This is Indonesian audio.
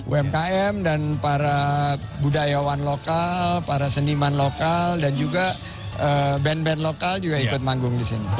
umkm dan para budayawan lokal para seniman lokal dan juga band band lokal juga ikut manggung di sini